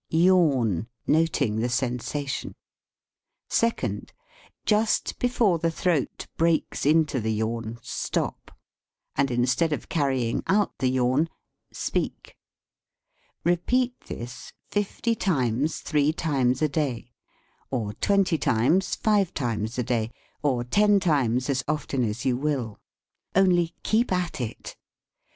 Yawn, noting the sensation. Second. Just before the throat breaks into the yawn, stop, and, instead of carrying out the yawn, speak. Repeat this fifty times, three times a day, or twenty times, five times a day, or ten times, as often as you will. Only, keep at it.